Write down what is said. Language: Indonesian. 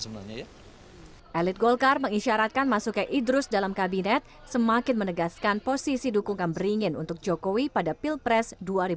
elit golkar mengisyaratkan masuknya idrus dalam kabinet semakin menegaskan posisi dukungan beringin untuk jokowi pada pilpres dua ribu dua puluh